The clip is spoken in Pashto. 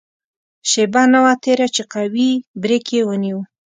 شېبه نه وه تېره چې قوي بریک یې ونیو.